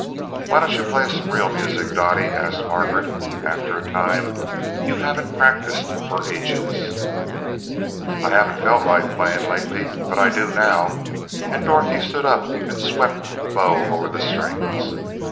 "Why don't you play us some real music, Dottie?" asked Margaret, after a time. "You haven't practiced for ages." "I haven't felt like playing lately, but I do now," and Dorothy stood up and swept the bow over the strings.